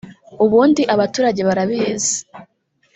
ubundi abaturage barabizi